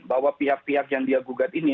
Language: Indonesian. bahwa pihak pihak yang dia gugat ini